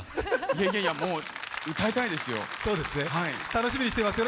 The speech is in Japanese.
いやいや、もう歌いたいですよ。